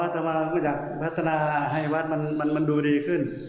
ทำอย่างบรรทานาใหม่บ้านมันดูดีขึ้น